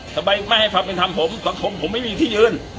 ทำไมไม่ให้ฟังเป็นทำผมแต่ผมผมไม่มีที่อื่น